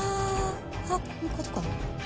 あこういうことか。